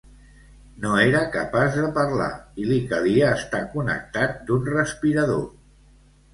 No era capaç de parlar i li calia estar connectat d'un respirador.